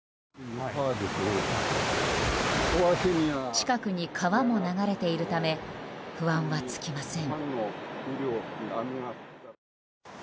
近くに川も流れているため不安は尽きません。